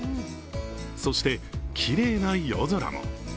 そして、きれいな夜空も。